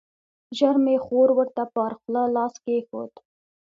ژر مې خور ورته پر خوله لاس کېښود.